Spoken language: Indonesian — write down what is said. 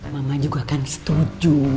mama juga kan setuju